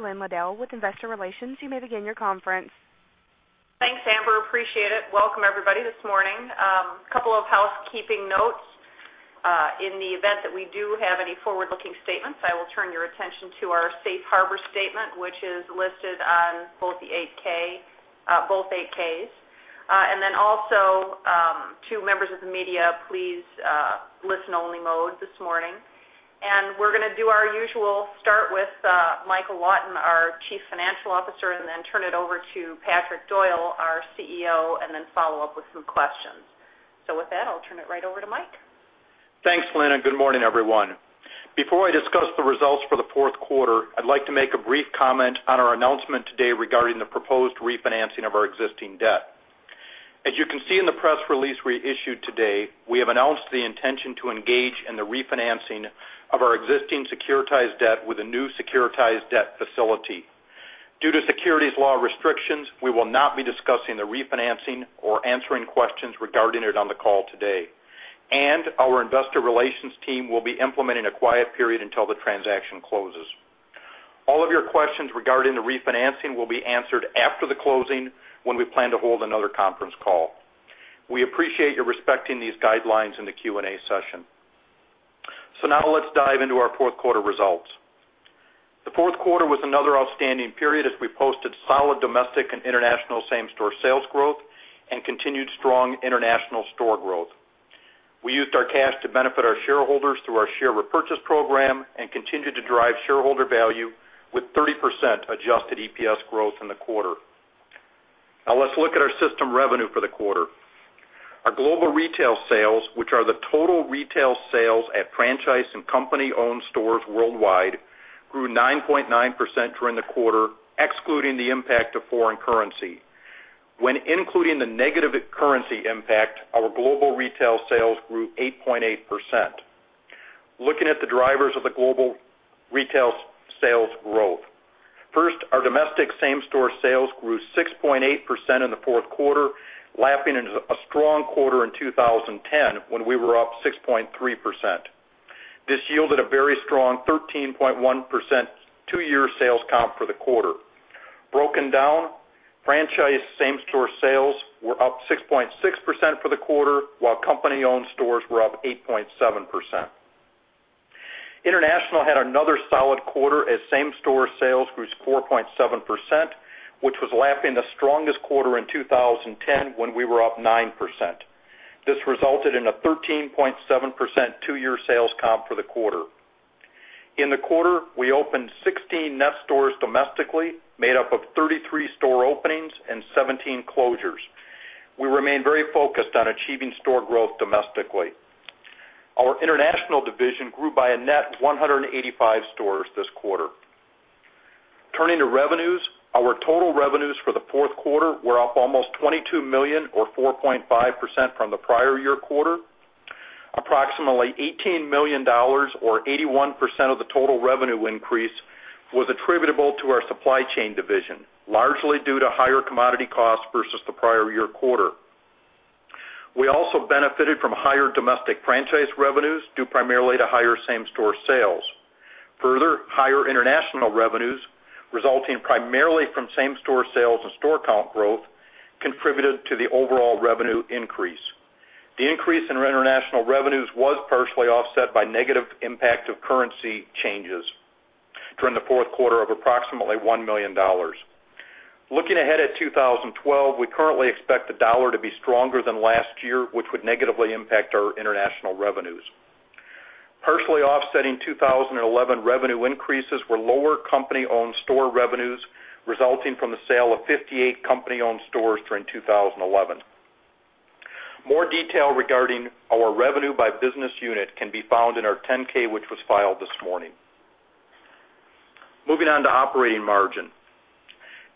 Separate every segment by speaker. Speaker 1: Q&A session with Investor Relations, you may begin your conference.
Speaker 2: Thanks, Amber. Appreciate it. Welcome, everybody, this morning. A couple of housekeeping notes. In the event that we do have any forward-looking statements, I will turn your attention to our Safe Harbor statement, which is listed on both the Form 8-K, both Form 8-Ks. Also, to members of the media, please, listen-only mode this morning. We're going to do our usual. Start with Michael Lawton, our Chief Financial Officer, and then turn it over to Patrick Doyle, our CEO, and then follow up with some questions. With that, I'll turn it right over to Mike.
Speaker 3: Thanks, Lynn. And good morning, everyone. Before I discuss the results for the fourth quarter, I'd like to make a brief comment on our announcement today regarding the proposed refinancing of our existing debt. As you can see in the press release we issued today, we have announced the intention to engage in the refinancing of our existing securitized debt with a new securitized debt facility. Due to securities law restrictions, we will not be discussing the refinancing or answering questions regarding it on the call today. Our investor relations team will be implementing a quiet period until the transaction closes. All of your questions regarding the refinancing will be answered after the closing when we plan to hold another conference call. We appreciate your respecting these guidelines in the Q&A session. Now let's dive into our fourth quarter results. The fourth quarter was another outstanding period as we posted solid domestic and international same-store sales growth and continued strong international store growth. We used our cash to benefit our shareholders through our share repurchase program and continued to drive shareholder value with 30% adjusted EPS growth in the quarter. Now let's look at our system revenue for the quarter. Our global retail sales, which are the total retail sales at franchise and company-owned stores worldwide, grew 9.9% during the quarter, excluding the impact of foreign currency. When including the negative currency impact, our global retail sales grew 8.8%. Looking at the drivers of the global retail sales growth, first, our domestic same-store sales grew 6.8% in the fourth quarter, lapping a strong quarter in 2010 when we were up 6.3%. This yielded a very strong 13.1% two-year sales comp for the quarter. Broken down, franchise same-store sales were up 6.6% for the quarter, while company-owned stores were up 8.7%. International had another solid quarter as same-store sales grew 4.7%, which was lapping the strongest quarter in 2010 when we were up 9%. This resulted in a 13.7% two-year sales comp for the quarter. In the quarter, we opened 16 net stores domestically, made up of 33 store openings and 17 closures. We remain very focused on achieving store growth domestically. Our international division grew by a net 185 stores this quarter. Turning to revenues, our total revenues for the fourth quarter were up almost $22 million, or 4.5% from the prior year quarter. Approximately $18 million, or 81% of the total revenue increase, was attributable to our supply chain division, largely due to higher commodity costs versus the prior year quarter. We also benefited from higher domestic franchise revenues due primarily to higher same-store sales. Further, higher international revenues, resulting primarily from same-store sales and store count growth, contributed to the overall revenue increase. The increase in international revenues was partially offset by negative impacts of currency changes during the fourth quarter of approximately $1 million. Looking ahead at 2012, we currently expect the dollar to be stronger than last year, which would negatively impact our international revenues. Partially offsetting 2011 revenue increases were lower company-owned store revenues resulting from the sale of 58 company-owned stores during 2011. More detail regarding our revenue by business unit can be found in our Form 10-K, which was filed this morning. Moving on to operating margin.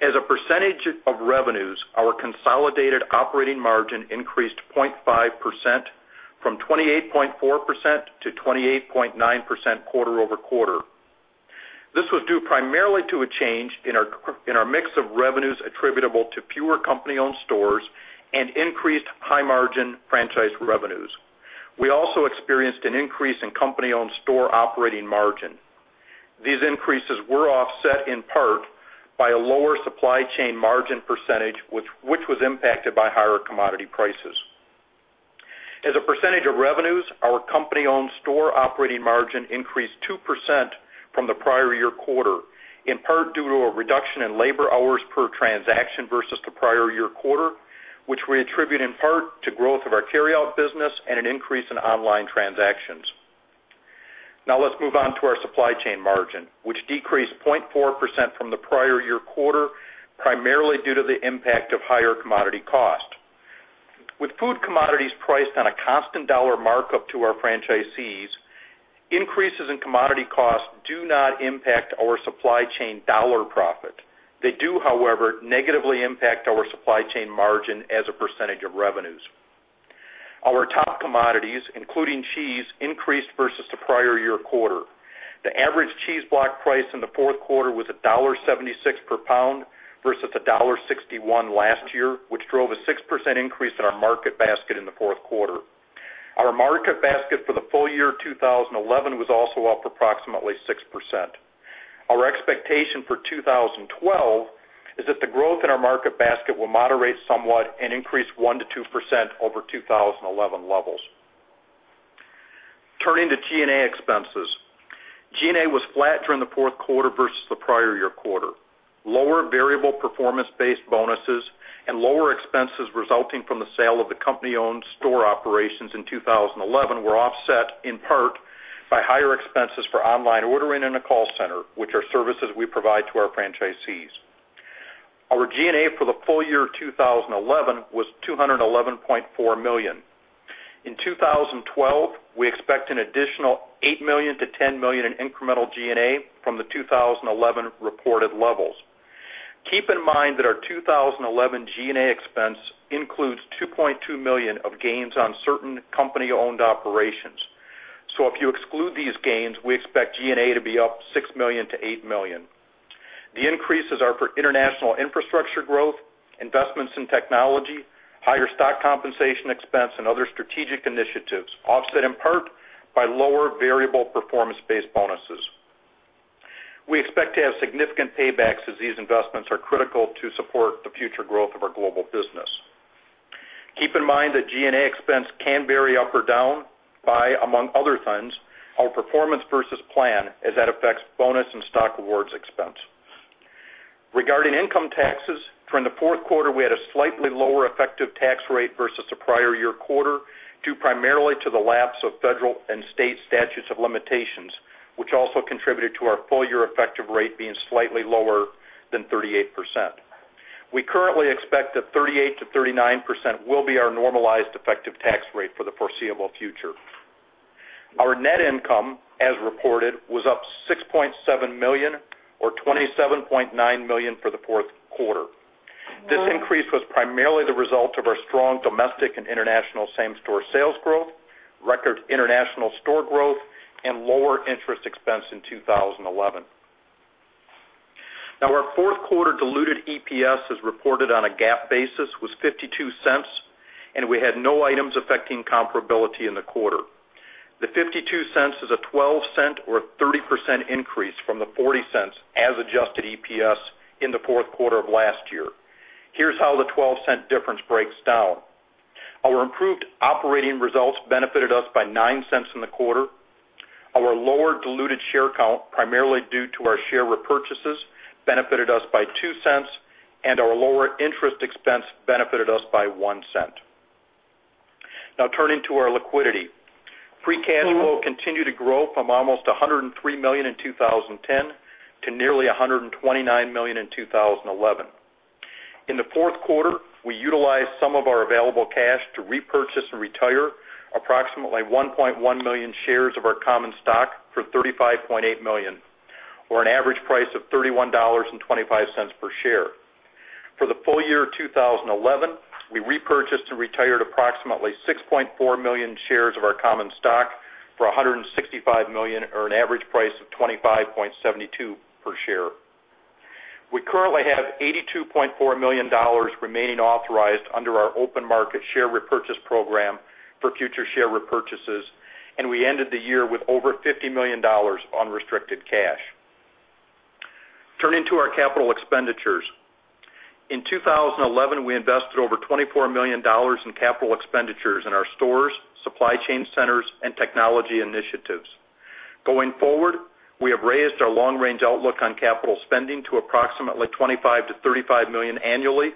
Speaker 3: As a percentage of revenues, our consolidated operating margin increased 0.5% from 28.4% to 28.9% quarter-over-quarter. This was due primarily to a change in our mix of revenues attributable to fewer company-owned stores and increased high-margin franchise revenues. We also experienced an increase in company-owned store operating margin. These increases were offset in part by a lower supply chain margin percentage, which was impacted by higher commodity prices. As a percentage of revenues, our company-owned store operating margin increased 2% from the prior year quarter, in part due to a reduction in labor hours per transaction versus the prior year quarter, which we attribute in part to growth of our carryout business and an increase in online transactions. Now let's move on to our supply chain margin, which decreased 0.4% from the prior year quarter, primarily due to the impact of higher commodity costs. With food commodities priced on a constant dollar markup to our franchisees, increases in commodity costs do not impact our supply chain dollar profit. They do, however, negatively impact our supply chain margin as a percentage of revenues. Our top commodities, including cheese, increased versus the prior year quarter. The average cheese block price in the fourth quarter was $1.76 per pound versus $1.61 last year, which drove a 6% increase in our market basket in the fourth quarter. Our market basket for the full year 2011 was also up approximately 6%. Our expectation for 2012 is that the growth in our market basket will moderate somewhat and increase 1%-2% over 2011 levels. Turning to G&A expenses, G&A was flat during the fourth quarter versus the prior year quarter. Lower variable performance-based bonuses and lower expenses resulting from the sale of the company-owned store operations in 2011 were offset in part by higher expenses for online ordering and a call center, which are services we provide to our franchisees. Our G&A for the full year 2011 was $211.4 million. In 2012, we expect an additional $8 million-$10 million in incremental G&A from the 2011 reported levels. Keep in mind that our 2011 G&A expense includes $2.2 million of gains on certain company-owned operations. If you exclude these gains, we expect G&A to be up $6 million-$8 million. The increases are for international infrastructure growth, investments in technology, higher stock compensation expense, and other strategic initiatives, offset in part by lower variable performance-based bonuses. We expect to have significant paybacks as these investments are critical to support the future growth of our global business. Keep in mind that G&A expense can vary up or down by, among other things, our performance versus plan as that affects bonus and stock awards expense. Regarding income taxes, during the fourth quarter, we had a slightly lower effective tax rate versus the prior year quarter, due primarily to the lapse of federal and state statutes of limitations, which also contributed to our full year effective rate being slightly lower than 38%. We currently expect that 38%-39% will be our normalized effective tax rate for the foreseeable future. Our net income, as reported, was up $6.7 million or $27.9 million for the fourth quarter. This increase was primarily the result of our strong domestic and international same-store sales growth, record international store growth, and lower interest expense in 2011. Our fourth quarter diluted EPS, as reported on a GAAP basis, was $0.52, and we had no items affecting comparability in the quarter. The $0.52 is a $0.12 or 30% increase from the $0.40 as adjusted EPS in the fourth quarter of last year. Here's how the $0.12 difference breaks down. Our improved operating results benefited us by $0.09 in the quarter. Our lower diluted share count, primarily due to our share repurchases, benefited us by $0.02, and our lower interest expense benefited us by $0.01. Now turning to our liquidity, free cash flow continued to grow from almost $103 million in 2010 to nearly $129 million in 2011. In the fourth quarter, we utilized some of our available cash to repurchase and retire approximately 1.1 million shares of our common stock for $35.8 million, or an average price of $31.25 per share. For the full year 2011, we repurchased and retired approximately 6.4 million shares of our common stock for $165 million, or an average price of $25.72 per share. We currently have $82.4 million remaining authorized under our open market share repurchase program for future share repurchases, and we ended the year with over $50 million unrestricted cash. Turning to our capital expenditures, in 2011, we invested over $24 million in capital expenditures in our stores, supply chain centers, and technology initiatives. Going forward, we have raised our long-range outlook on capital spending to approximately $25 million-$35 million annually,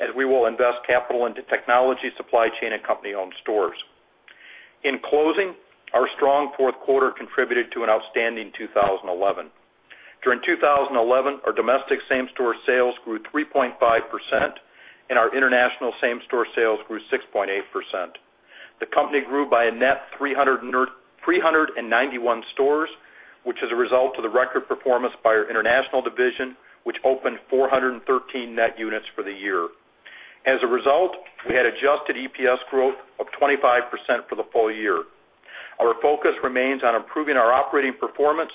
Speaker 3: and we will invest capital into technology, supply chain, and company-owned stores. In closing, our strong fourth quarter contributed to an outstanding 2011. During 2011, our domestic same-store sales grew 3.5%, and our international same-store sales grew 6.8%. The company grew by a net 391 stores, which is a result of the record performance by our international division, which opened 413 net units for the year. As a result, we had adjusted EPS growth of 25% for the full year. Our focus remains on improving our operating performance,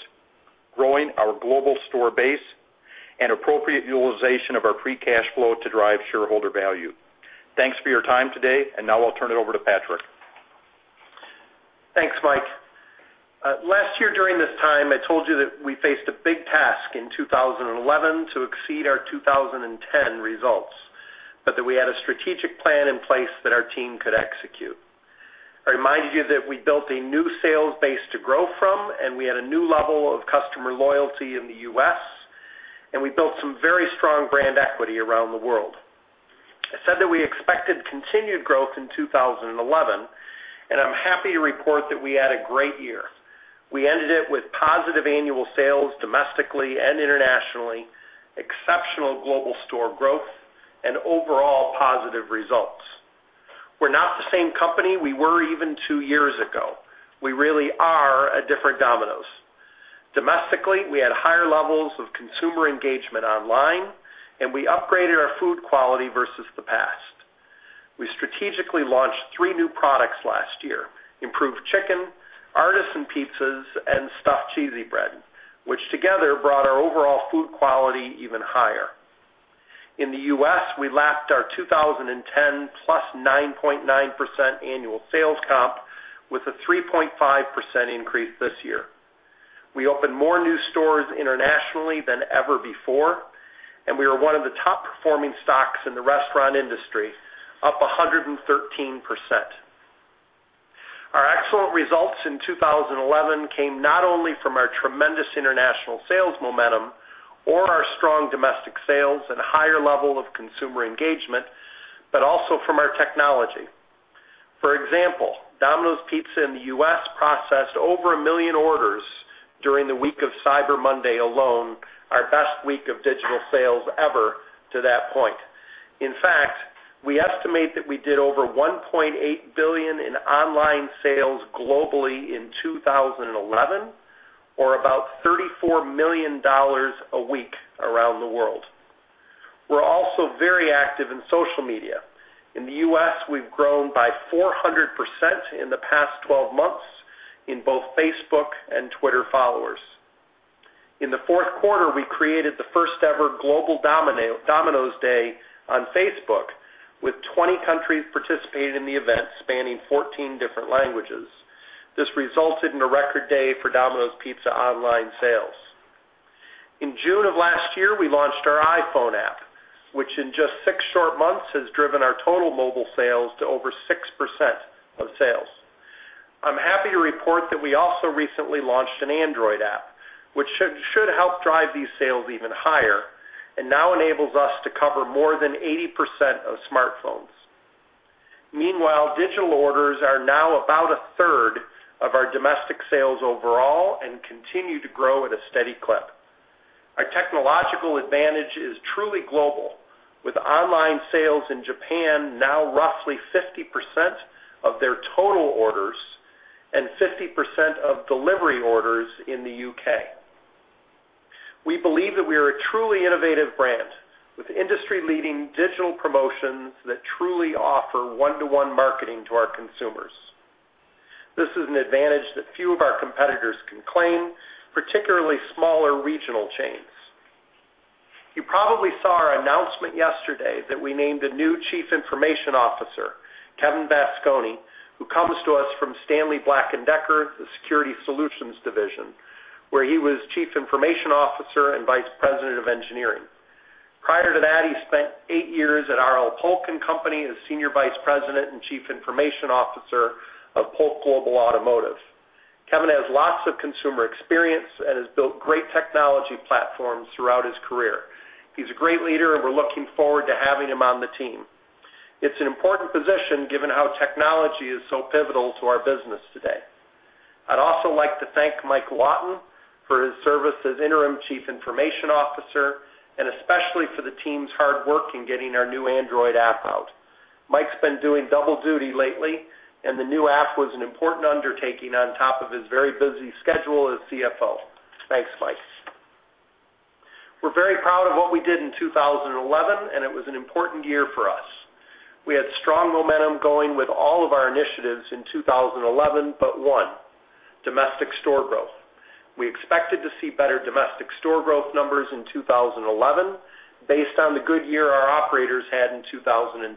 Speaker 3: growing our global store base, and appropriate utilization of our free cash flow to drive shareholder value. Thanks for your time today, and now I'll turn it over to Patrick.
Speaker 4: Thanks, Mike. Last year, during this time, I told you that we faced a big task in 2011 to exceed our 2010 results, but that we had a strategic plan in place that our team could execute. I reminded you that we built a new sales base to grow from, and we had a new level of customer loyalty in the U.S., and we built some very strong brand equity around the world. I said that we expected continued growth in 2011, and I'm happy to report that we had a great year. We ended it with positive annual sales domestically and internationally, exceptional global store growth, and overall positive results. We're not the same company we were even two years ago. We really are a different Domino's. Domestically, we had higher levels of consumer engagement online, and we upgraded our food quality versus the past. We strategically launched three new products last year: improved chicken, artisan pizzas, and stuffed cheesy bread, which together brought our overall food quality even higher. In the U.S., we lapped our 2010 plus 9.9% annual sales comp with a 3.5% increase this year. We opened more new stores internationally than ever before, and we are one of the top-performing stocks in the restaurant industry, up 113%. Our excellent results in 2011 came not only from our tremendous international sales momentum or our strong domestic sales and a higher level of consumer engagement, but also from our technology. For example, Domino's Pizza in the U.S. processed over a million orders during the week of Cyber Monday alone, our best week of digital sales ever to that point. In fact, we estimate that we did over $1.8 billion in online sales globally in 2011, or about $34 million a week around the world. We're also very active in social media. In the U.S., we've grown by 400% in the past 12 months in both Facebook and Twitter followers. In the fourth quarter, we created the first-ever Global Domino's Day on Facebook, with 20 countries participating in the event spanning 14 different languages. This resulted in a record day for Domino's Pizza online sales. In June of last year, we launched our iPhone app, which in just six short months has driven our total mobile sales to over 6% of sales. I'm happy to report that we also recently launched an Android app, which should help drive these sales even higher and now enables us to cover more than 80% of smartphones. Meanwhile, digital orders are now about 1/3 of our domestic sales overall and continue to grow at a steady clip. Our technological advantage is truly global, with online sales in Japan now roughly 50% of their total orders and 50% of delivery orders in the U.K. We believe that we are a truly innovative brand with industry-leading digital promotions that truly offer one-to-one marketing to our consumers. This is an advantage that few of our competitors can claim, particularly smaller regional chains. You probably saw our announcement yesterday that we named a new Chief Information Officer, Kevin Vasconi, who comes to us from Stanley Black & Decker, the Security Solutions Division, where he was Chief Information Officer and Vice President of Engineering. Prior to that, he spent eight years at R.L. Polk & Company as Senior Vice President and Chief Information Officer of Polk Global Automotive. Kevin has lots of consumer experience and has built great technology platforms throughout his career. He's a great leader, and we're looking forward to having him on the team. It's an important position given how technology is so pivotal to our business today. I'd also like to thank Michael Lawton for his service as Interim Chief Information Officer and especially for the team's hard work in getting our new Android app out. Michael's been doing double duty lately, and the new app was an important undertaking on top of his very busy schedule as CFO. Thanks, Mike. We're very proud of what we did in 2011, and it was an important year for us. We had strong momentum going with all of our initiatives in 2011, except one: domestic store growth. We expected to see better domestic store growth numbers in 2011 based on the good year our operators had in 2010.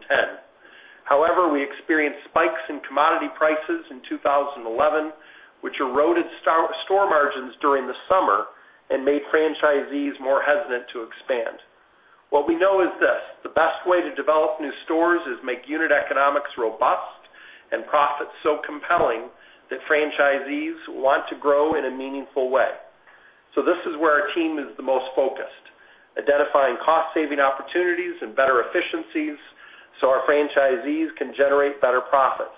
Speaker 4: However, we experienced spikes in commodity prices in 2011, which eroded store margins during the summer and made franchisees more hesitant to expand. What we know is this: the best way to develop new stores is to make unit economics robust and profits so compelling that franchisees want to grow in a meaningful way. This is where our team is the most focused: identifying cost-saving opportunities and better efficiencies so our franchisees can generate better profits.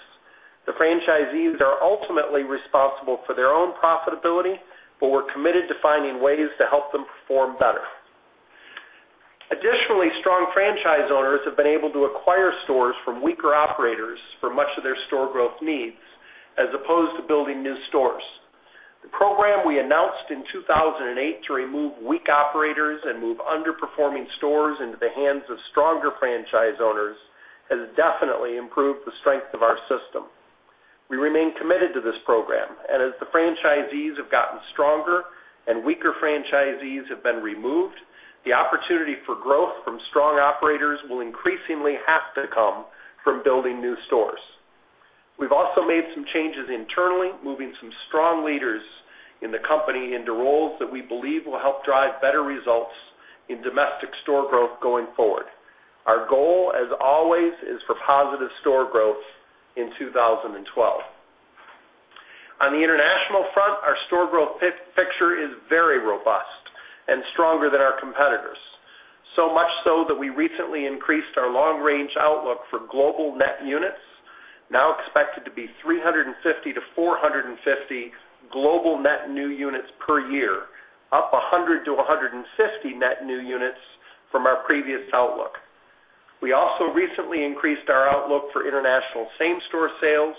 Speaker 4: The franchisees are ultimately responsible for their own profitability, but we're committed to finding ways to help them perform better. Additionally, strong franchise owners have been able to acquire stores from weaker operators for much of their store growth needs, as opposed to building new stores. The program we announced in 2008 to remove weak operators and move underperforming stores into the hands of stronger franchise owners has definitely improved the strength of our system. We remain committed to this program, and as the franchisees have gotten stronger and weaker franchisees have been removed, the opportunity for growth from strong operators will increasingly have to come from building new stores. We've also made some changes internally, moving some strong leaders in the company into roles that we believe will help drive better results in domestic store growth going forward. Our goal, as always, is for positive store growth in 2012. On the international front, our store growth picture is very robust and stronger than our competitors, so much so that we recently increased our long-range outlook for global net new units, now expected to be 350-450 global net new units per year, up 100-150 net new units from our previous outlook. We also recently increased our outlook for international same-store sales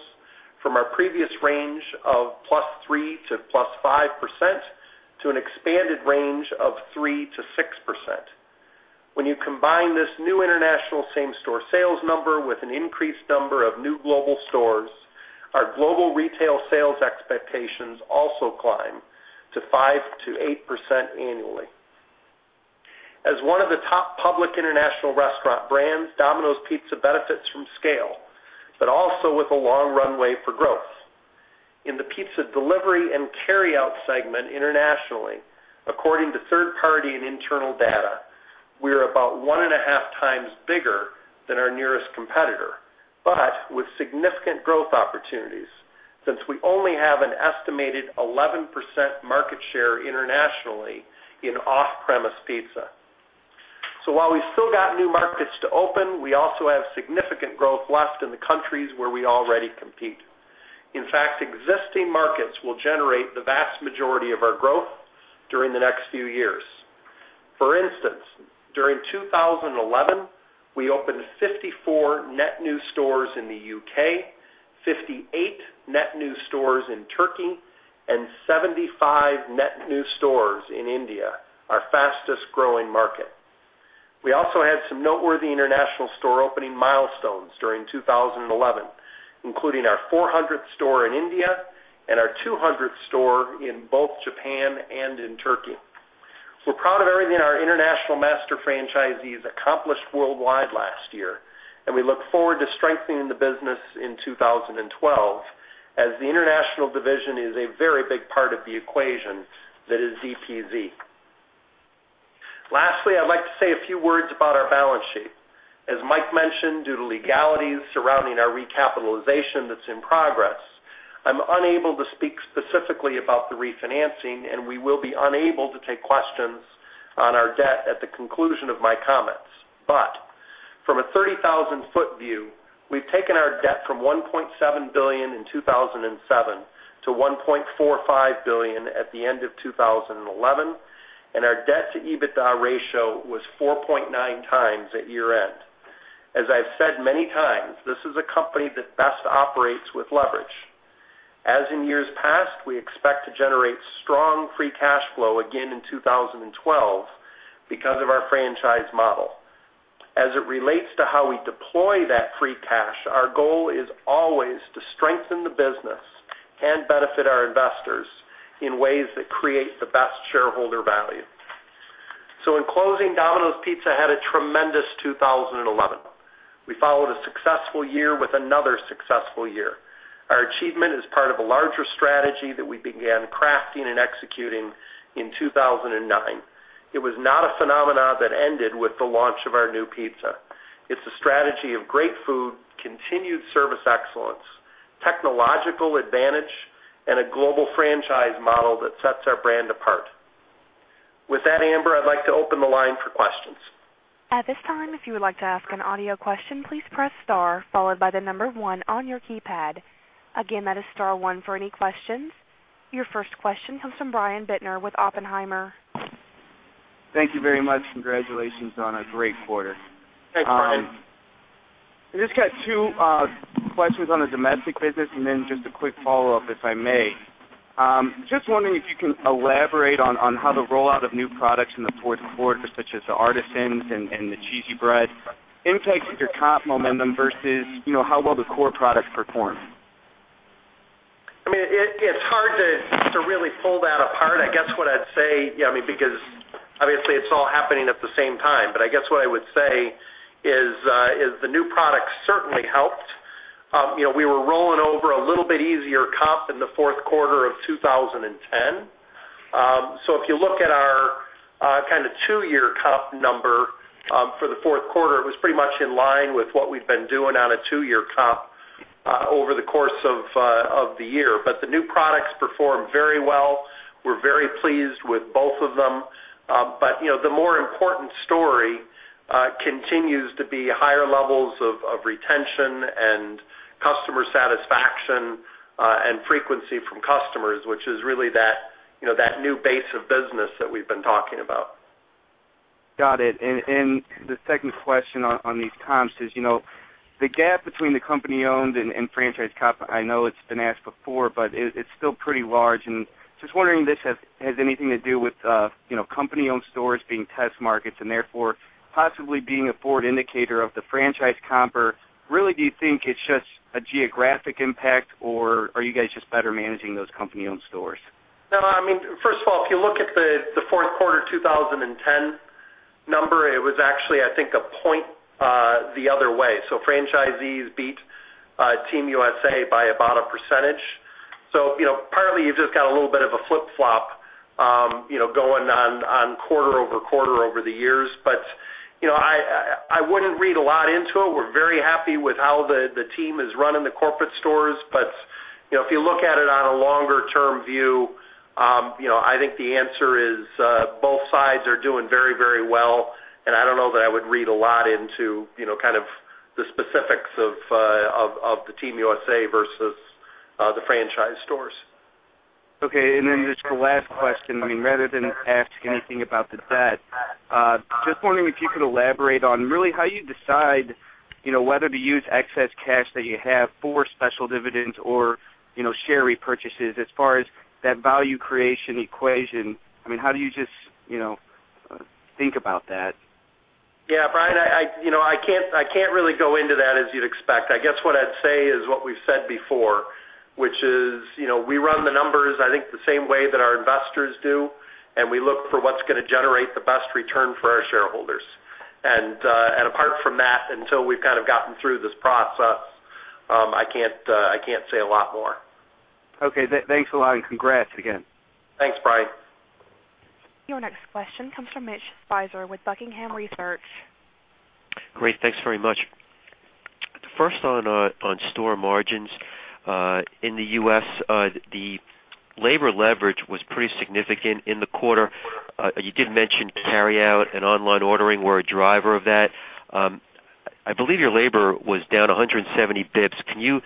Speaker 4: from our previous range of +3% to +5% to an expanded range of 3%-6%. When you combine this new international same-store sales number with an increased number of new global stores, our global retail sales expectations also climb to 5%-8% annually. As one of the top public international restaurant brands, Domino's Pizza benefits from scale, but also with a long runway for growth. In the pizza delivery and carryout segment internationally, according to third-party and internal data, we are about one and a half times bigger than our nearest competitor, but with significant growth opportunities since we only have an estimated 11% market share internationally in off-premise pizza. While we've still got new markets to open, we also have significant growth left in the countries where we already compete. In fact, existing markets will generate the vast majority of our growth during the next few years. For instance, during 2011, we opened 54 net new stores in the U.K., 58 net new stores in Turkey, and 75 net new stores in India, our fastest growing market. We also had some noteworthy international store opening milestones during 2011, including our 400th store in India and our 200th store in both Japan and in Turkey. We're proud of everything our international master franchisees accomplished worldwide last year, and we look forward to strengthening the business in 2012, as the international division is a very big part of the equation that is DPZ. Lastly, I'd like to say a few words about our balance sheet. As Mike mentioned, due to legalities surrounding our recapitalization that's in progress, I'm unable to speak specifically about the refinancing, and we will be unable to take questions on our debt at the conclusion of my comments. From a 30,000-ft view, we've taken our debt from $1.7 billion in 2007 to $1.45 billion at the end of 2011, and our debt-to-EBITDA ratio was 4.9x at year-end. As I've said many times, this is a company that best operates with leverage. As in years past, we expect to generate strong free cash flow again in 2012 because of our franchise model. As it relates to how we deploy that free cash, our goal is always to strengthen the business and benefit our investors in ways that create the best shareholder value. In closing, Domino's Pizza had a tremendous 2011. We followed a successful year with another successful year. Our achievement is part of a larger strategy that we began crafting and executing in 2009. It was not a phenomenon that ended with the launch of our new pizza. It's a strategy of great food, continued service excellence, technological advantage, and a global franchise model that sets our brand apart. With that, Amber, I'd like to open the line for questions.
Speaker 1: At this time, if you would like to ask an audio question, please press star followed by the number one on your keypad. Again, that is star one for any questions. Your first question comes from Brian Bittner with Oppenheimer.
Speaker 5: Thank you very much. Congratulations on a great quarter.
Speaker 4: Thanks, Brian.
Speaker 5: I just got two questions on the domestic business and then just a quick follow-up, if I may. Just wondering if you can elaborate on how the rollout of new products in the fourth quarter, such as the artisan pizzas and the stuffed cheesy bread, impacts your top momentum versus how well the core products perform.
Speaker 4: I mean, it's hard to really pull that apart. I guess what I'd say, because obviously it's all happening at the same time, I guess what I would say is the new products certainly helped. We were rolling over a little bit easier comp in the fourth quarter of 2010. If you look at our kind of two-year comp number for the fourth quarter, it was pretty much in line with what we'd been doing on a two-year comp over the course of the year. The new products performed very well. We're very pleased with both of them. The more important story continues to be higher levels of retention and customer satisfaction and frequency from customers, which is really that new base of business that we've been talking about.
Speaker 5: Got it. The second question on these comps is, you know, the gap between the company-owned and franchise comp, I know it's been asked before, but it's still pretty large. Just wondering if this has anything to do with company-owned stores being test markets and therefore possibly being a forward indicator of the franchise comp, or really do you think it's just a geographic impact, or are you guys just better managing those company-owned stores?
Speaker 4: No, I mean, first of all, if you look at the fourth quarter 2010 number, it was actually, I think, a point the other way. Franchisees beat Team USA by about a %. You have just got a little bit of a flip-flop going on quarter-over-quarter over the years. I wouldn't read a lot into it. We're very happy with how the team is running the corporate stores. If you look at it on a longer-term view, I think the answer is both sides are doing very, very well. I don't know that I would read a lot into the specifics of the Team USA versus the franchise stores.
Speaker 5: Okay. Just the last question, rather than ask anything about the debt, just wondering if you could elaborate on really how you decide whether to use excess cash that you have for special dividends or share repurchases as far as that value creation equation. How do you just think about that?
Speaker 4: Yeah, Brian, I can't really go into that as you'd expect. What I'd say is what we've said before, which is, we run the numbers, I think, the same way that our investors do, and we look for what's going to generate the best return for our shareholders. Apart from that, until we've gotten through this process, I can't say a lot more.
Speaker 5: Okay, thanks a lot, and congrats again.
Speaker 4: Thanks, Brian.
Speaker 1: Your next question comes from Mitch Speiser with Buckingham Research.
Speaker 6: Great. Thanks very much. First, on store margins in the U.S., the labor leverage was pretty significant in the quarter. You did mention carryout and online ordering were a driver of that. I believe your labor was down 170 bps. Can you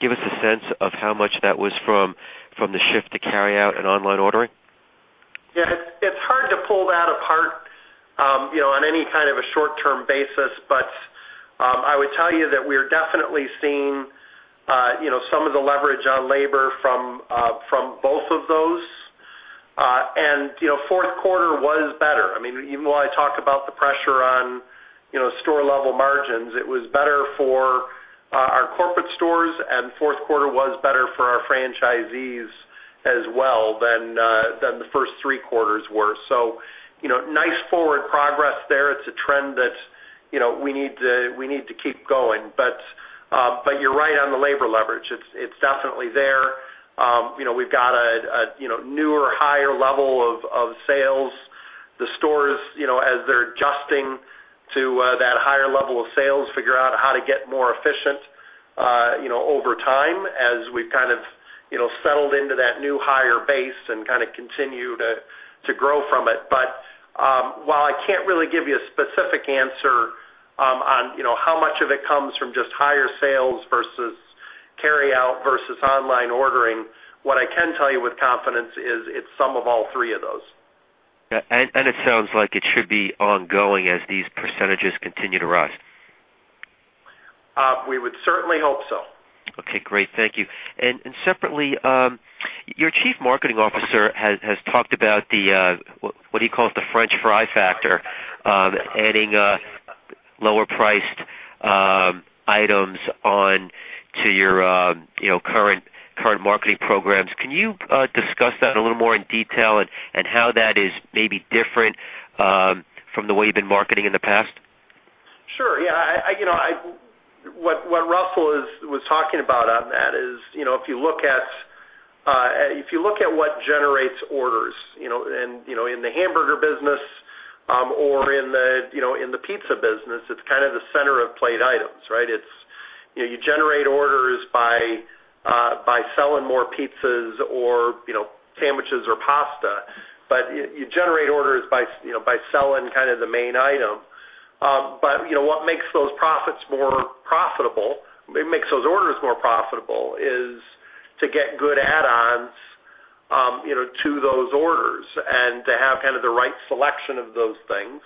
Speaker 6: give us a sense of how much that was from the shift to carryout and online ordering?
Speaker 4: Yeah, it's hard to pull that apart on any kind of a short-term basis. I would tell you that we are definitely seeing some of the leverage on labor from both of those. Fourth quarter was better. I mean, even though I talk about the pressure on store-level margins, it was better for our corporate stores, and fourth quarter was better for our franchisees as well than the first three quarters were. Nice forward progress there. It's a trend that we need to keep going. You're right on the labor leverage. It's definitely there. We've got a newer, higher level of sales. The stores, as they're adjusting to that higher level of sales, figure out how to get more efficient over time as we've kind of settled into that new higher base and continue to grow from it. While I can't really give you a specific answer on how much of it comes from just higher sales versus carryout versus online ordering, what I can tell you with confidence is it's some of all three of those.
Speaker 6: It sounds like it should be ongoing as these percentages continue to rise.
Speaker 4: We would certainly hope so.
Speaker 6: Okay, great. Thank you. Separately, your Chief Marketing Officer has talked about what he calls the French fry factor, adding lower-priced items onto your current marketing programs. Can you discuss that a little more in detail and how that is maybe different from the way you've been marketing in the past?
Speaker 4: Sure. What Russell was talking about on that is, if you look at what generates orders in the hamburger business or in the pizza business, it's kind of the center of plate items, right? You generate orders by selling more pizzas or sandwiches or pasta, but you generate orders by selling kind of the main item. What makes those orders more profitable is to get good add-ons to those orders and to have kind of the right selection of those things.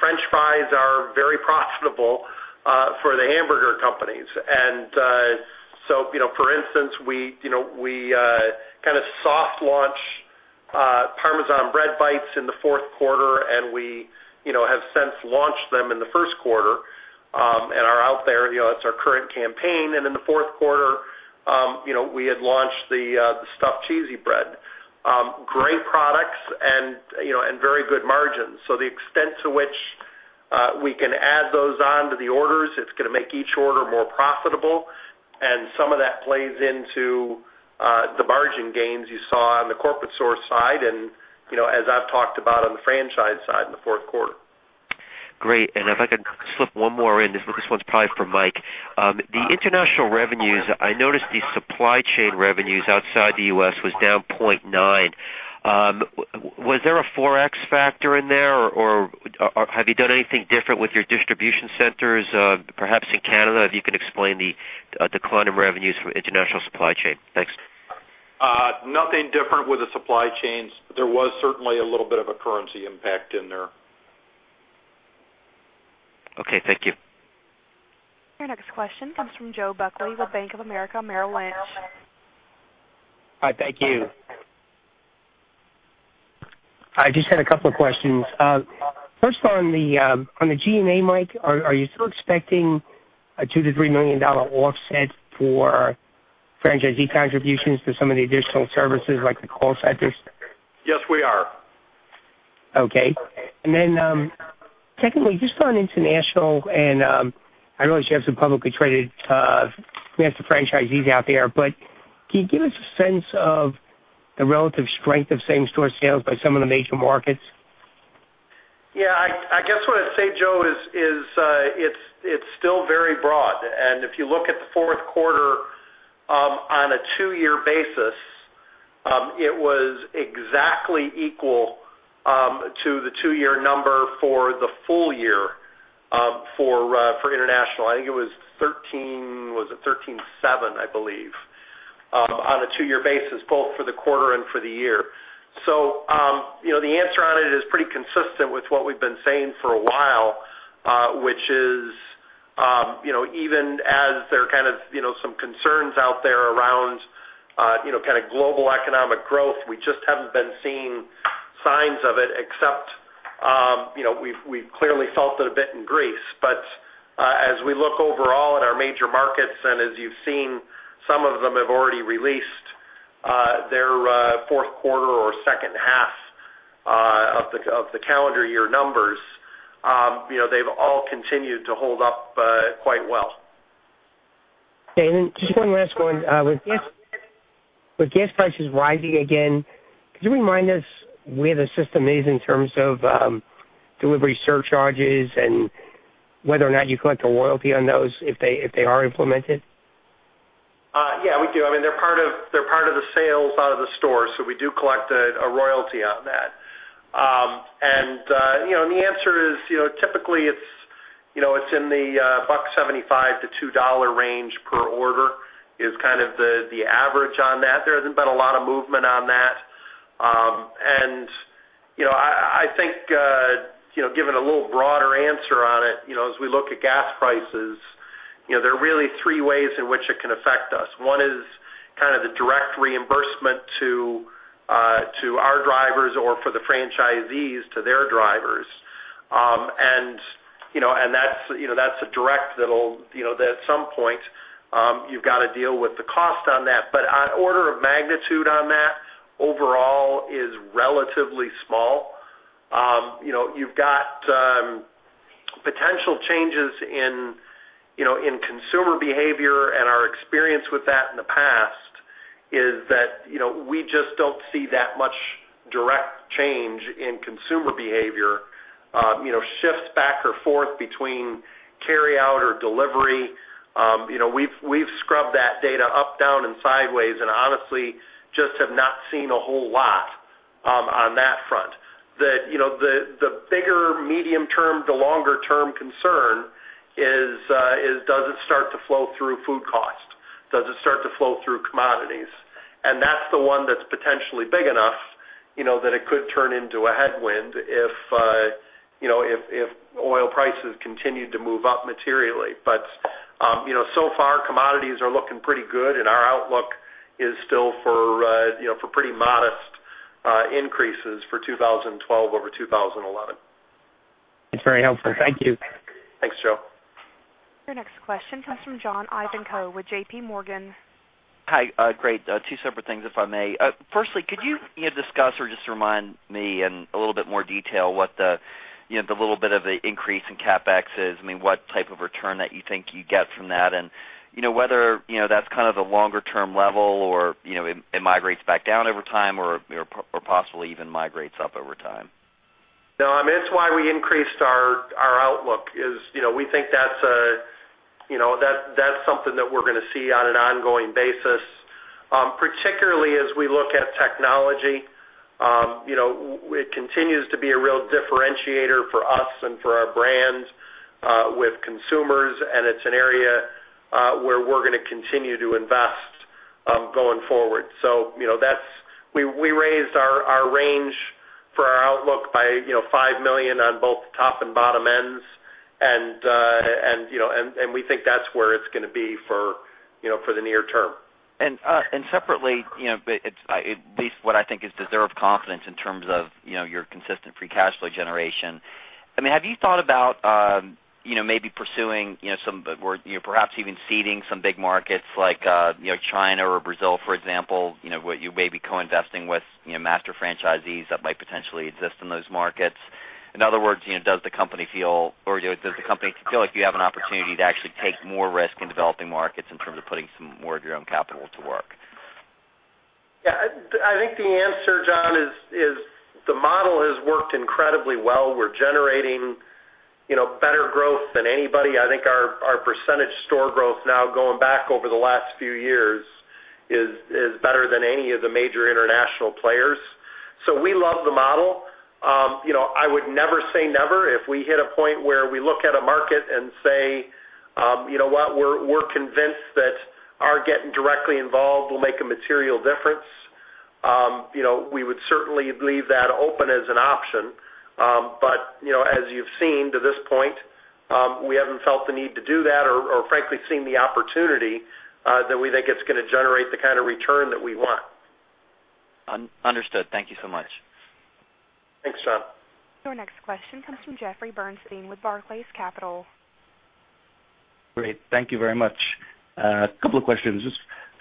Speaker 4: French fries are very profitable for the hamburger companies. For instance, we kind of soft-launch Parmesan bread bites in the fourth quarter, and we have since launched them in the first quarter and are out there. It's our current campaign. In the fourth quarter, we had launched the stuffed cheesy bread. Great products and very good margins. To the extent to which we can add those onto the orders, it's going to make each order more profitable. Some of that plays into the margin gains you saw on the corporate store side, and as I've talked about on the franchise side in the fourth quarter.
Speaker 6: Great. If I could slip one more in, this one's probably for Mike. The international revenues, I noticed the supply chain revenues outside the U.S. were down 0.9%. Was there a forex factor in there, or have you done anything different with your distribution centers? Perhaps in Canada, if you can explain the decline in revenues from international supply chain. Thanks.
Speaker 4: Nothing different with the supply chain. There was certainly a little bit of a currency impact in there.
Speaker 6: Okay. Thank you.
Speaker 1: Your next question comes from Joe Buckley with Bank of America Merrill Lynch.
Speaker 7: Hi. Thank you. I just had a couple of questions. First, on the G&A, Mike, are you still expecting a $2 to $3 million offset for franchisee contributions to some of the additional services like the call centers?
Speaker 4: Yes, we are.
Speaker 7: Okay. Technically, you've just gone international, and I realize you have some publicly traded master franchisees out there, but can you give us a sense of the relative strength of same-store sales by some of the major markets?
Speaker 4: Yeah, I guess what I'd say, Joe, is it's still very broad. If you look at the fourth quarter, on a two-year basis, it was exactly equal to the two-year number for the full year for international. I think it was 13.7%, I believe, on a two-year basis, both for the quarter and for the year. The answer on it is pretty consistent with what we've been saying for a while, which is, even as there are kind of some concerns out there around global economic growth, we just haven't been seeing signs of it except we've clearly felt it a bit in Greece. As we look overall at our major markets, and as you've seen, some of them have already released their fourth quarter or second half of the calendar year numbers, they've all continued to hold up quite well.
Speaker 7: Okay. Just one last one. With gas prices rising again, could you remind us where the system is in terms of delivery surcharges and whether or not you collect a royalty on those if they are implemented?
Speaker 4: Yeah, we do. I mean, they're part of the sales out of the store, so we do collect a royalty on that. You know, the answer is, typically, it's in the $1.75-$2 range per order is kind of the average on that. There hasn't been a lot of movement on that. I think, given a little broader answer on it, as we look at gas prices, there are really three ways in which it can affect us. One is kind of the direct reimbursement to our drivers or for the franchisees to their drivers. That's a direct that, at some point, you've got to deal with the cost on that. An order of magnitude on that overall is relatively small. You've got potential changes in consumer behavior, and our experience with that in the past is that we just don't see that much direct change in consumer behavior, shifts back or forth between carryout or delivery. We've scrubbed that data up, down, and sideways and honestly just have not seen a whole lot on that front. The bigger medium-term, the longer-term concern is, does it start to flow through food cost? Does it start to flow through commodities? That's the one that's potentially big enough that it could turn into a headwind if oil prices continued to move up materially. So far, commodities are looking pretty good, and our outlook is still for pretty modest increases for 2012 over 2011.
Speaker 7: That's very helpful. Thank you.
Speaker 4: Thanks, Joe.
Speaker 1: Your next question comes from John Ivankoe with JPMorgan.
Speaker 8: Hi. Great. Two separate things, if I may. Firstly, could you discuss or just remind me in a little bit more detail what the, you know, the little bit of the increase in CapEx is? I mean, what type of return that you think you get from that? You know, whether that's kind of the longer-term level or, you know, it migrates back down over time or possibly even migrates up over time.
Speaker 4: No, I mean, it's why we increased our outlook. We think that's something that we're going to see on an ongoing basis, particularly as we look at technology. It continues to be a real differentiator for us and for our brands with consumers, and it's an area where we're going to continue to invest going forward. We raised our range for our outlook by $5 million on both the top and bottom ends, and we think that's where it's going to be for the near term.
Speaker 8: Separately, at least what I think is deserved confidence in terms of your consistent free cash flow generation. Have you thought about maybe pursuing some, or perhaps even seeding some big markets like China or Brazil, for example, where you may be co-investing with master franchisees that might potentially exist in those markets? In other words, does the company feel, or does the company feel like you have an opportunity to actually take more risk in developing markets in terms of putting some more of your own capital to work?
Speaker 4: I think the answer, John, is the model has worked incredibly well. We're generating better growth than anybody. I think our percentage store growth now going back over the last few years is better than any of the major international players. We love the model. I would never say never. If we hit a point where we look at a market and say, you know what, we're convinced that our getting directly involved will make a material difference, we would certainly leave that open as an option. As you've seen to this point, we haven't felt the need to do that or frankly seen the opportunity that we think is going to generate the kind of return that we want.
Speaker 8: Understood. Thank you so much.
Speaker 4: Thanks, John.
Speaker 1: Your next question comes from Jeffrey Bernstein with Barclays Capital.
Speaker 9: Great. Thank you very much. A couple of questions.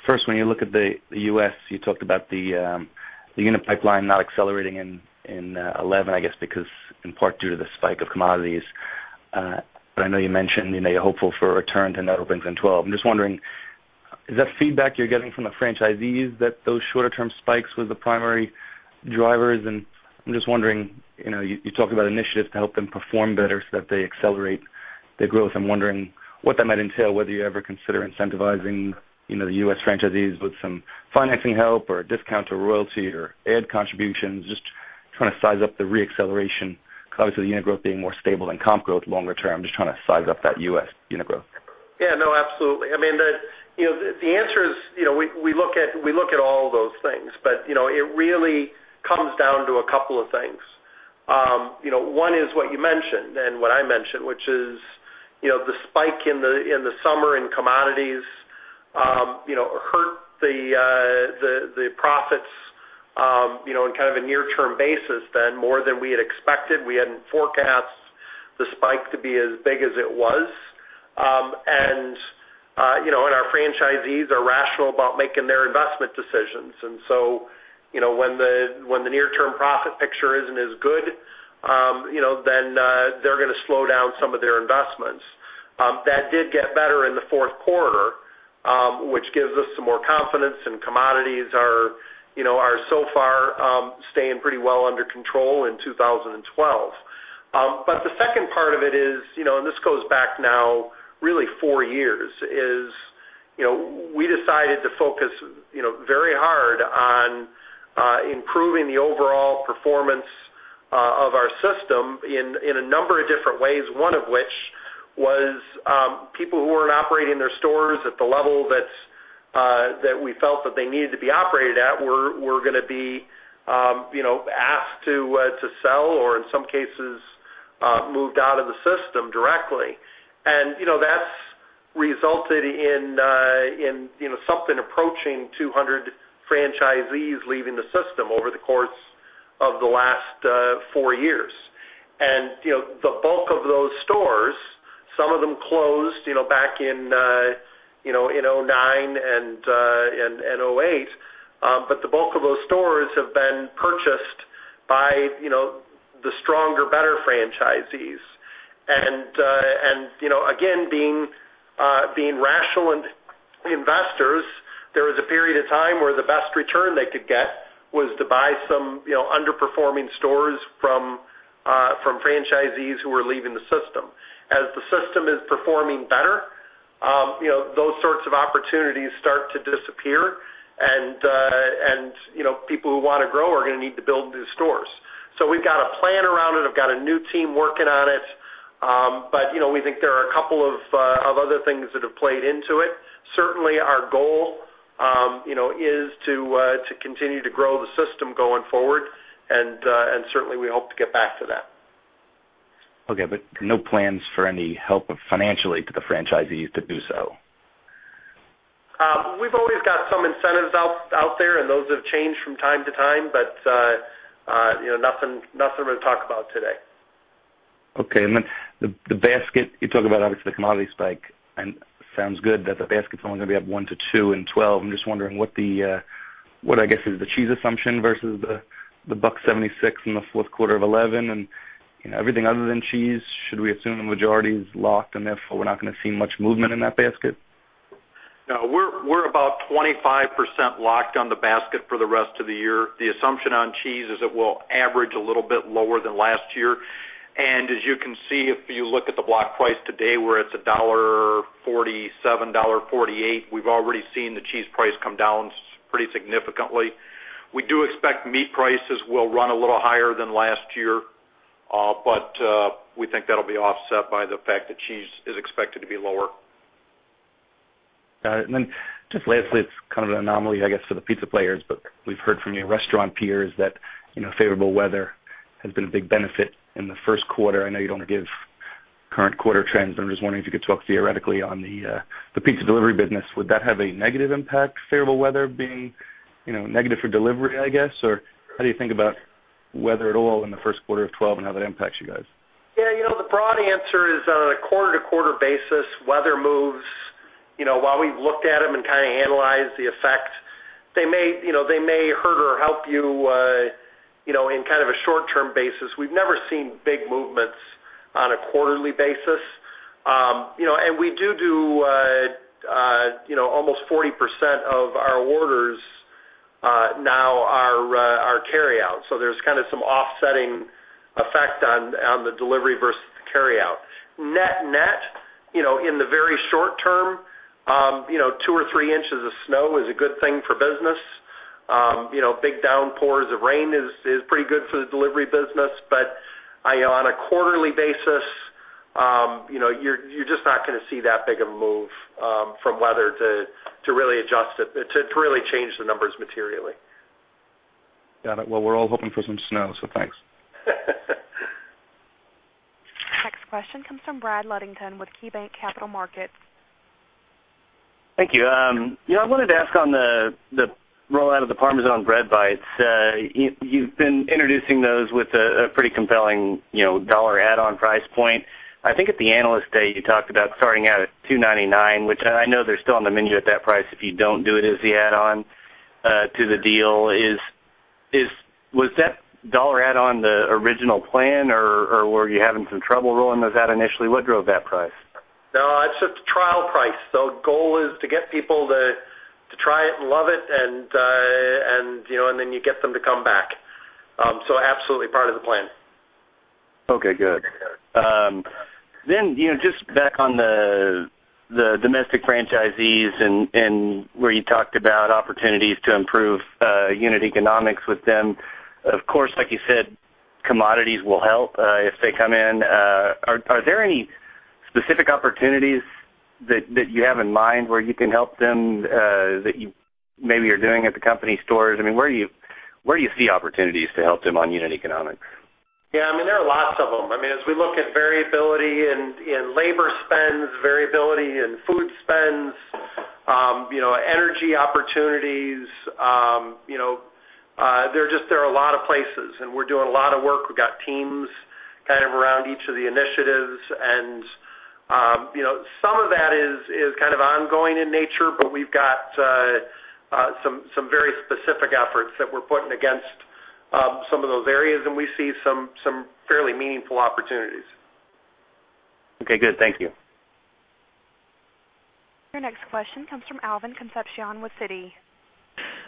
Speaker 9: First, when you look at the U.S., you talked about the unit pipeline not accelerating in 2011, I guess, because in part due to the spike of commodities. I know you mentioned you're hopeful for a return to net earnings in 2012. I'm just wondering, is that feedback you're getting from the franchisees that those shorter-term spikes were the primary drivers? I'm just wondering, you talk about initiatives to help them perform better so that they accelerate the growth. I'm wondering what that might entail, whether you ever consider incentivizing the U.S. franchisees with some financing help or a discount or royalty or ad contributions, just trying to size up the reacceleration because, obviously, the unit growth being more stable than comp growth longer term, just trying to size up that U.S. unit growth.
Speaker 4: Yeah. No, absolutely. I mean, the answer is, we look at all those things, but it really comes down to a couple of things. One is what you mentioned and what I mentioned, which is the spike in the summer in commodities hurt the profits on kind of a near-term basis then more than we had expected. We hadn't forecast the spike to be as big as it was. Our franchisees are rational about making their investment decisions, and when the near-term profit picture isn't as good, they're going to slow down some of their investments. That did get better in the fourth quarter, which gives us some more confidence, and commodities are so far staying pretty well under control in 2012. The second part of it is, and this goes back now really four years, we decided to focus very hard on improving the overall performance of our system in a number of different ways, one of which was people who weren't operating their stores at the level that we felt that they needed to be operated at were going to be asked to sell or in some cases moved out of the system directly. That's resulted in something approaching 200 franchisees leaving the system over the course of the last four years. The bulk of those stores, some of them closed back in 2009 and 2008, but the bulk of those stores have been purchased by the stronger, better franchisees. Again, being rational investors, there was a period of time where the best return they could get was to buy some underperforming stores from franchisees who were leaving the system. As the system is performing better, those sorts of opportunities start to disappear, and people who want to grow are going to need to build new stores. We have a plan around it. I've got a new team working on it. We think there are a couple of other things that have played into it. Certainly, our goal is to continue to grow the system going forward, and certainly, we hope to get back to that.
Speaker 9: Okay. There are no plans for any help financially to the franchisees to do so?
Speaker 4: We've always got some incentives out there, and those have changed from time to time, but nothing to talk about today.
Speaker 9: Okay. The basket, you talk about, obviously, the commodity spike, and it sounds good that the basket's only going to be up 1%-2% in 2012. I'm just wondering what the, what I guess, is the cheese assumption versus the $1.76 in the fourth quarter of 2011? You know, everything other than cheese, should we assume the majority is locked and therefore we're not going to see much movement in that basket?
Speaker 4: No. We're about 25% locked on the basket for the rest of the year. The assumption on cheese is it will average a little bit lower than last year. As you can see, if you look at the block price today where it's $1.47, $1.48, we've already seen the cheese price come down pretty significantly. We do expect meat prices will run a little higher than last year, but we think that'll be offset by the fact that cheese is expected to be lower.
Speaker 9: Got it. Lastly, it's kind of an anomaly, I guess, for the pizza players, but we've heard from your restaurant peers that favorable weather has been a big benefit in the first quarter. I know you don't want to give current quarter trends, but I'm just wondering if you could talk theoretically on the pizza delivery business. Would that have a negative impact, favorable weather being negative for delivery, I guess? How do you think about weather at all in the first quarter of 2012 and how that impacts you guys?
Speaker 4: Yeah. The broad answer is on a quarter-to-quarter basis, weather moves. While we've looked at them and kind of analyzed the effect, they may hurt or help you in kind of a short-term basis. We've never seen big movements on a quarterly basis. We do, you know, almost 40% of our orders now are carryout, so there's kind of some offsetting effect on the delivery versus the carryout. Net-net, in the very short term, two or three inches of snow is a good thing for business. Big downpours of rain is pretty good for the delivery business. On a quarterly basis, you're just not going to see that big of a move from weather to really adjust it, to really change the numbers materially.
Speaker 9: Got it. We're all hoping for some snow, thanks.
Speaker 1: Next question comes from Brad Ludington with KeyBanc Capital Markets.
Speaker 10: Thank you. I wanted to ask on the rollout of the Parmesan Bread Bites. You've been introducing those with a pretty compelling, you know, dollar add-on price point. I think at the analyst day, you talked about starting out at $2.99, which I know they're still on the menu at that price if you don't do it as the add-on to the deal. Was that dollar add-on the original plan, or were you having some trouble rolling those out initially? What drove that price?
Speaker 4: No. It's a trial price. The goal is to get people to try it and love it, and you know, then you get them to come back. Absolutely part of the plan.
Speaker 10: Okay. Good. Back on the domestic franchisees and where you talked about opportunities to improve unit economics with them. Of course, like you said, commodities will help if they come in. Are there any specific opportunities that you have in mind where you can help them that you maybe are doing at the company stores? I mean, where do you see opportunities to help them on unit economics?
Speaker 4: Yeah. I mean, there are lots of them. As we look at variability in labor spends, variability in food spends, energy opportunities, there are just a lot of places, and we're doing a lot of work. We've got teams around each of the initiatives. Some of that is ongoing in nature, but we've got some very specific efforts that we're putting against some of those areas, and we see some fairly meaningful opportunities.
Speaker 10: Okay. Good. Thank you.
Speaker 1: Your next question comes from Alvin Concepcion with Citi.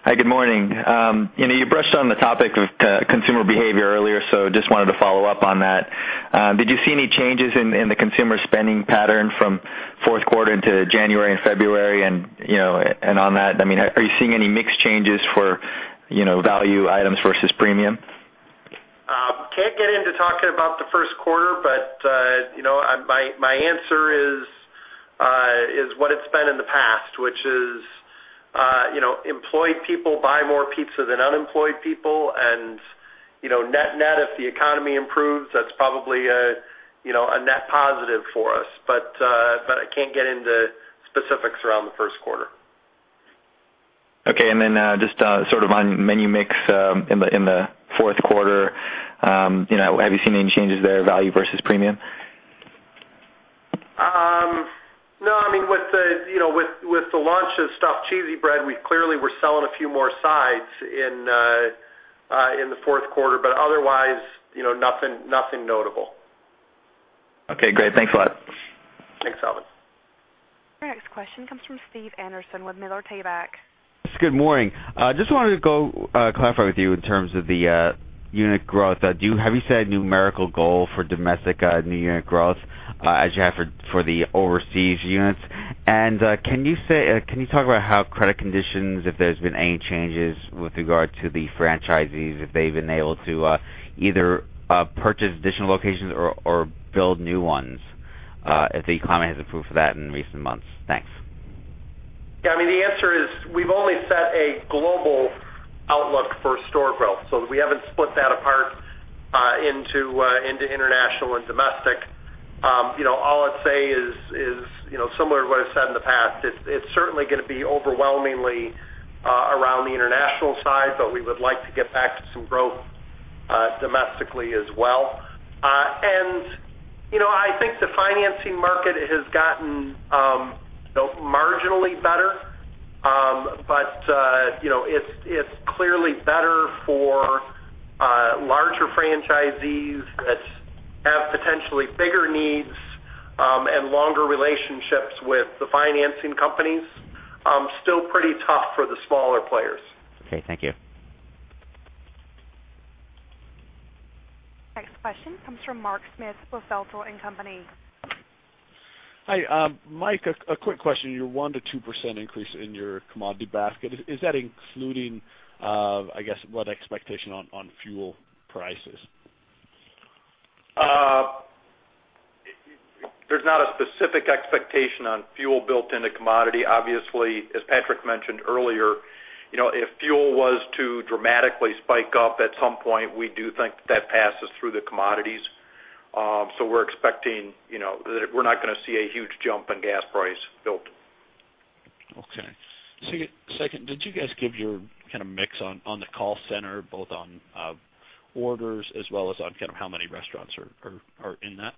Speaker 11: Hi. Good morning. You brushed on the topic of consumer behavior earlier, so I just wanted to follow up on that. Did you see any changes in the consumer spending pattern from fourth quarter to January and February? On that, I mean, are you seeing any mixed changes for value items versus premium?
Speaker 4: can't get into talking about the first quarter, but my answer is what it's been in the past, which is, you know, employed people buy more pizza than unemployed people. Net-net, if the economy improves, that's probably a net positive for us. I can't get into specifics around the first quarter.
Speaker 11: Okay. Just sort of on menu mix in the fourth quarter, you know, have you seen any changes there, value versus premium?
Speaker 4: No, I mean, with the launch of stuffed cheesy bread, we clearly were selling a few more sides in the fourth quarter, but otherwise, you know, nothing notable.
Speaker 11: Okay. Great. Thanks a lot.
Speaker 4: Thanks, Alvin.
Speaker 1: Your next question comes from Steve Anderson with Miller Tabak.
Speaker 12: Good morning. I just wanted to clarify with you in terms of the unit growth. Have you set a numerical goal for domestic new unit growth as you have for the overseas units? Can you talk about how credit conditions, if there's been any changes with regard to the franchisees, if they've been able to either purchase additional locations or build new ones, if the climate has improved for that in recent months? Thanks.
Speaker 4: Yeah. I mean, the answer is we've only set a global outlook for store growth. We haven't split that apart into international and domestic. All I'd say is, similar to what I've said in the past, it's certainly going to be overwhelmingly around the international side, but we would like to get back to some growth domestically as well. I think the financing market has gotten marginally better, but it's clearly better for larger franchisees that have potentially bigger needs and longer relationships with the financing companies. Still pretty tough for the smaller players.
Speaker 12: Okay. Thank you.
Speaker 1: Next question comes from Mark Smith, Feltl and Company.
Speaker 13: Hi. Mike, a quick question. Your 1%-2% increase in your commodity basket, is that including, I guess, what expectation on fuel prices?
Speaker 3: There's not a specific expectation on fuel built into commodity. Obviously, as Patrick mentioned earlier, if fuel was to dramatically spike up at some point, we do think that that passes through the commodities. We're expecting that we're not going to see a huge jump in gas price built in.
Speaker 14: Okay. Second, did you guys give your kind of mix on the call center, both on orders as well as on kind of how many restaurants are in that?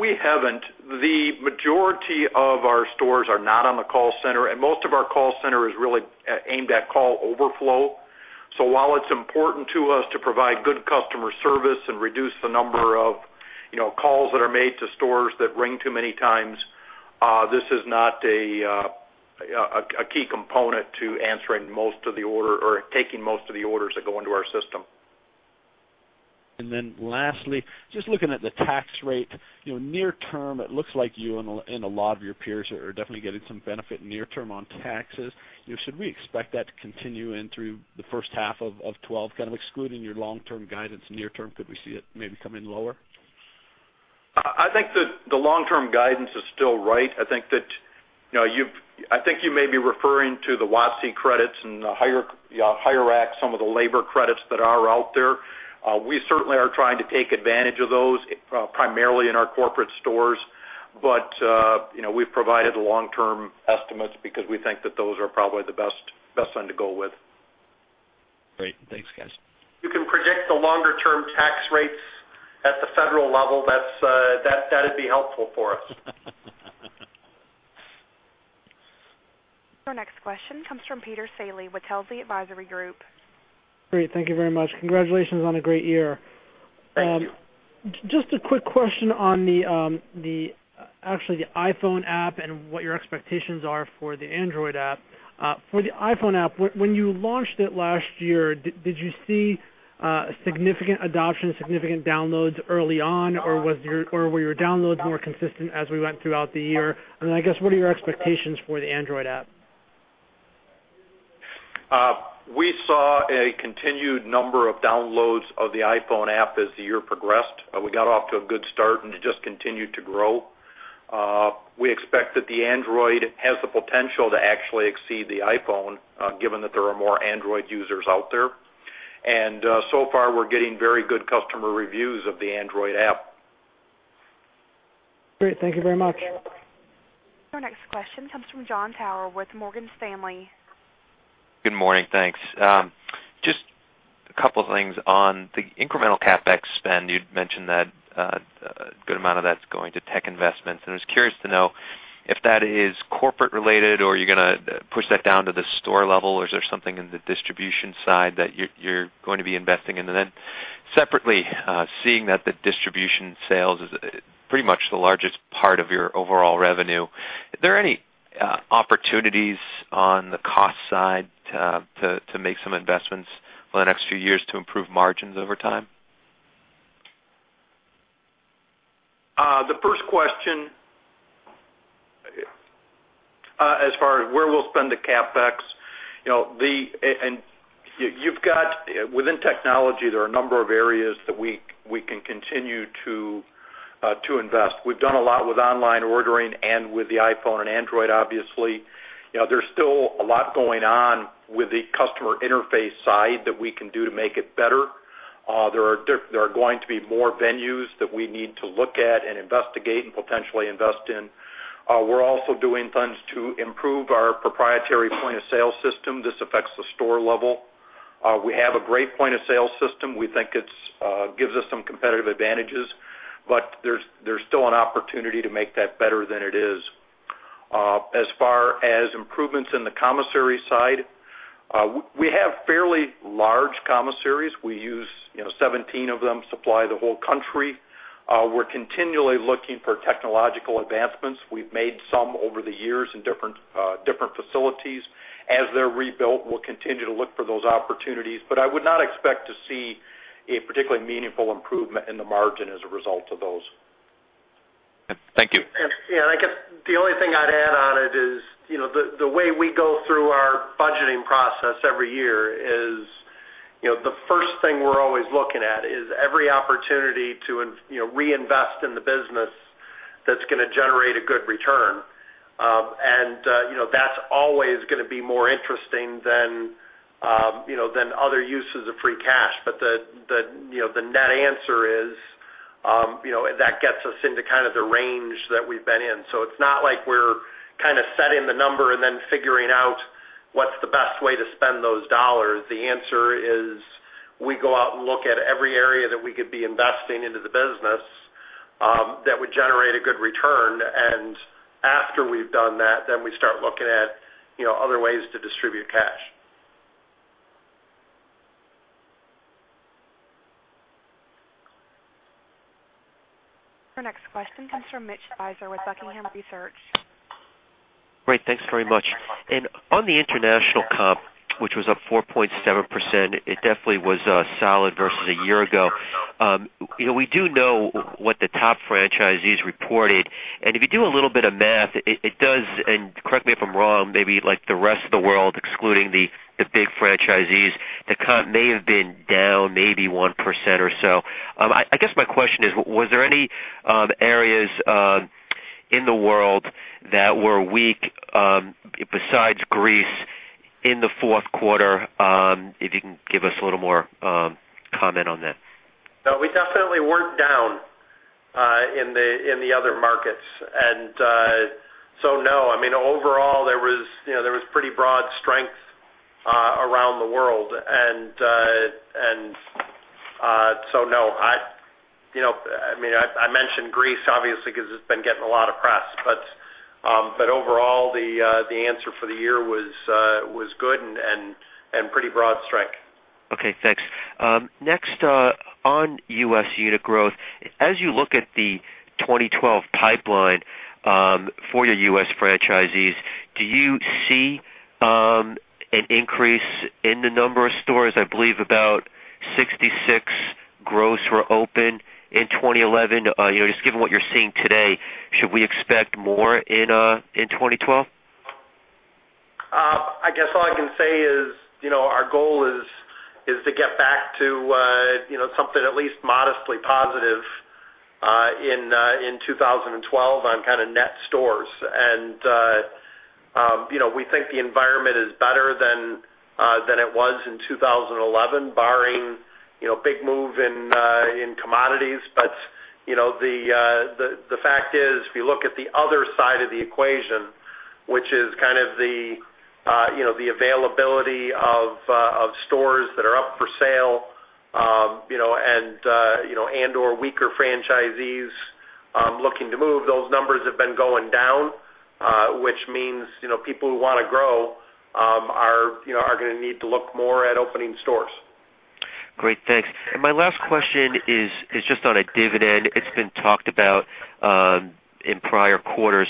Speaker 3: We haven't. The majority of our stores are not on the call center, and most of our call center is really aimed at call overflow. While it's important to us to provide good customer service and reduce the number of calls that are made to stores that ring too many times, this is not a key component to answering most of the order or taking most of the orders that go into our system.
Speaker 13: Lastly, just looking at the tax rate, you know, near term, it looks like you and a lot of your peers are definitely getting some benefit near term on taxes. You know, should we expect that to continue in through the first half of 2012, kind of excluding your long-term guidance near term? Could we see it maybe come in lower?
Speaker 3: I think that the long-term guidance is still right. I think you may be referring to the WATC credits and the higher-act, some of the labor credits that are out there. We certainly are trying to take advantage of those, primarily in our corporate stores. We've provided the long-term estimates because we think that those are probably the best one to go with.
Speaker 13: Great. Thanks, guys.
Speaker 4: If you can predict the longer-term tax rates at the federal level, that'd be helpful for us.
Speaker 1: Our next question comes from Peter Saleh with Telsey Advisory Group.
Speaker 15: Great. Thank you very much. Congratulations on a great year. Just a quick question on the actually the iPhone app and what your expectations are for the Android app. For the iPhone app, when you launched it last year, did you see significant adoption, significant downloads early on, or were your downloads more consistent as we went throughout the year? What are your expectations for the Android app?
Speaker 3: We saw a continued number of downloads of the iPhone app as the year progressed. We got off to a good start and just continued to grow. We expect that the Android has the potential to actually exceed the iPhone, given that there are more Android users out there. We are getting very good customer reviews of the Android app.
Speaker 15: Great. Thank you very much.
Speaker 1: Our next question comes from Jon Tower with Morgan Stanley.
Speaker 14: Good morning. Thanks. Just a couple of things on the incremental CapEx spend. You'd mentioned that a good amount of that's going to tech investments. I was curious to know if that is corporate-related or you're going to push that down to the store level, or is there something in the distribution side that you're going to be investing in? Separately, seeing that the distribution sales is pretty much the largest part of your overall revenue, are there any opportunities on the cost side to make some investments for the next few years to improve margins over time?
Speaker 3: The first question, as far as where we'll spend the CapEx, you know, and you've got within technology, there are a number of areas that we can continue to invest. We've done a lot with online ordering and with the iPhone and Android, obviously. You know, there's still a lot going on with the customer interface side that we can do to make it better. There are going to be more venues that we need to look at and investigate and potentially invest in. We're also doing things to improve our proprietary point-of-sale system. This affects the store level. We have a great point-of-sale system. We think it gives us some competitive advantages, but there's still an opportunity to make that better than it is. As far as improvements in the commissary side, we have fairly large commissaries. We use, you know, 17 of them supply the whole country. We're continually looking for technological advancements. We've made some over the years in different facilities. As they're rebuilt, we'll continue to look for those opportunities. I would not expect to see a particularly meaningful improvement in the margin as a result of those.
Speaker 14: Thank you.
Speaker 4: Yeah. I guess the only thing I'd add on it is, you know, the way we go through our budgeting process every year is the first thing we're always looking at is every opportunity to reinvest in the business that's going to generate a good return. That's always going to be more interesting than other uses of free cash. The net answer is that gets us into kind of the range that we've been in. It's not like we're kind of setting the number and then figuring out what's the best way to spend those dollars. The answer is we go out and look at every area that we could be investing into the business that would generate a good return. After we've done that, we start looking at other ways to distribute cash.
Speaker 1: Our next question comes from Mitch Speiser with Buckingham Research.
Speaker 6: Great. Thanks very much. On the international comp, which was up 4.7%, it definitely was solid versus a year ago. We do know what the top franchisees reported. If you do a little bit of math, it does, and correct me if I'm wrong, maybe like the rest of the world, excluding the big franchisees, the comp may have been down maybe 1% or so. I guess my question is, was there any areas in the world that were weak besides Greece in the fourth quarter? If you can give us a little more comment on that.
Speaker 4: No, we definitely weren't down in the other markets. Overall, there was pretty broad strength around the world. I mentioned Greece, obviously, because it's been getting a lot of press. Overall, the answer for the year was good and pretty broad strike.
Speaker 6: Okay. Thanks. Next, on U.S. unit growth, as you look at the 2012 pipeline for your U.S. franchisees, do you see an increase in the number of stores? I believe about 66 gross were open in 2011. Just given what you're seeing today, should we expect more in 2012?
Speaker 4: I guess all I can say is, our goal is to get back to something at least modestly positive in 2012 on kind of net stores. We think the environment is better than it was in 2011, barring a big move in commodities. The fact is, if you look at the other side of the equation, which is the availability of stores that are up for sale and/or weaker franchisees looking to move, those numbers have been going down, which means people who want to grow are going to need to look more at opening stores.
Speaker 6: Great. Thanks. My last question is just on a dividend. It's been talked about in prior quarters.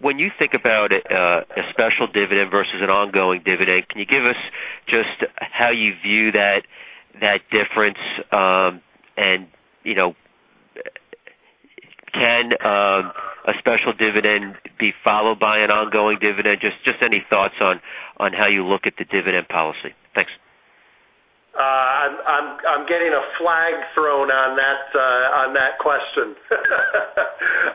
Speaker 6: When you think about a special dividend versus an ongoing dividend, can you give us just how you view that difference? Can a special dividend be followed by an ongoing dividend? Any thoughts on how you look at the dividend policy? Thanks.
Speaker 4: I'm getting a flag thrown on that question.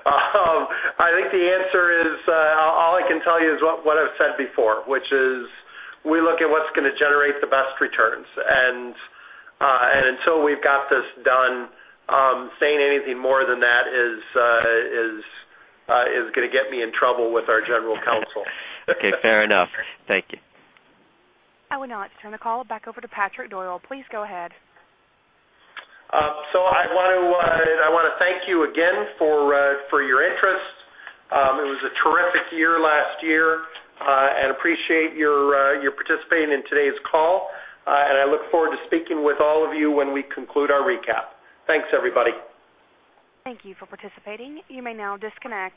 Speaker 4: I think the answer is all I can tell you is what I've said before, which is we look at what's going to generate the best returns. Until we've got this done, saying anything more than that is going to get me in trouble with our General Counsel.
Speaker 6: Okay. Fair enough. Thank you.
Speaker 1: Our next on the call, back over to Patrick Doyle. Please go ahead.
Speaker 4: Thank you again for your interest. It was a terrific year last year, and I appreciate your participating in today's call. I look forward to speaking with all of you when we conclude our recap. Thanks, everybody.
Speaker 1: Thank you for participating. You may now disconnect.